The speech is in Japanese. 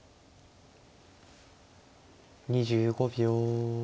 ２５秒。